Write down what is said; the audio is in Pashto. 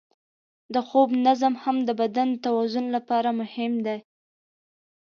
د خوب نظم هم د بدن د توازن لپاره مهم دی.